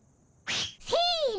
せの。